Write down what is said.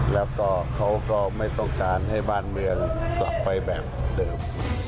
แล้วก็เขาก็ไม่ต้องการให้บ้านเมืองกลับไปแบบเดิม